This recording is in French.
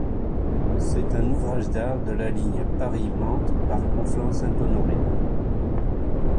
C'est un ouvrage d'art de la ligne Paris - Mantes par Conflans-Sainte-Honorine.